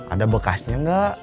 ada bekasnya enggak